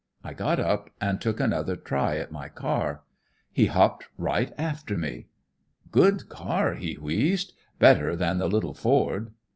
I got up and took another try at my car. He hopped right after me. "'Good car,' he wheezed, 'better than the little Ford.'